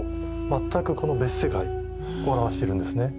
全くこの別世界を表しているんですね。